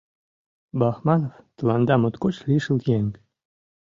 Бахманов тыланда моткоч лишыл еҥ.